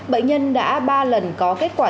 bệnh nhân đã ba lần có kết quả